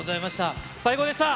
最高でした。